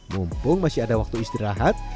mumpung masih ada waktu istirahat